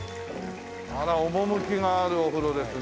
あら趣があるお風呂ですね。